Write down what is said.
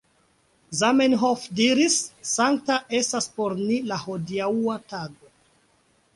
Zamenhof diris: ""Sankta estas por ni la hodiaŭa tago.